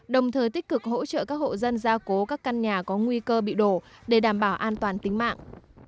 đồng thời tích cực hỗ trợ các hộ dân ra cố các căn nhà có nguy cơ bị đổ để đảm bảo an toàn tính mạng